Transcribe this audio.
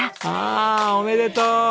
ああおめでとう！